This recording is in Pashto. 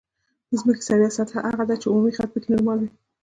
د ځمکې سویه سطح هغه ده چې عمودي خط پکې نورمال وي